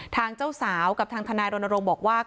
ทางเจ้าสาวกับทางทนายโรนโรงบอกว่า